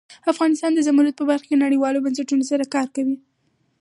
افغانستان د زمرد په برخه کې نړیوالو بنسټونو سره کار کوي.